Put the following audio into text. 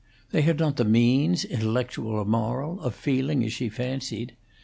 They had not the means, intellectual or moral, of feeling as she fancied.